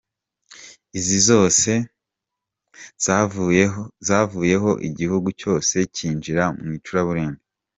Izi zose zavuyeho, igihugu cyose cyinjira mu icuraburindi.